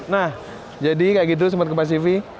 nah jadi kayak gitu sobat tempat cv